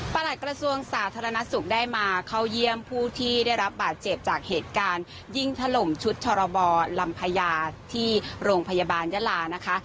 หลักกระทรวงสาธารณสุขได้มาเข้าเยี่ยมผู้ที่ได้รับบาดเจ็บจากเหตุการณ์ยิงถล่มชุดชรบรลำพญาที่โรงพยาบาลยาลานะคะ